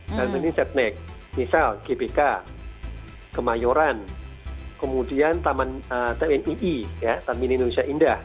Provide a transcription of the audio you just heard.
misalnya di setnek misal gbk kemayoran kemudian taman tnii taman indonesia indah